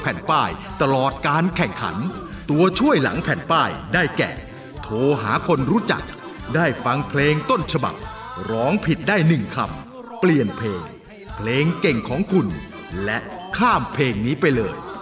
แผ่นป้ายตลอดการแข่งขันตัวช่วยหลังแผ่นป้ายได้แก่โทรหาคนรู้จักได้ฟังเพลงต้นฉบับร้องผิดได้๑คำเปลี่ยนเพลงเพลงเก่งของคุณและข้ามเพลงนี้ไปเลย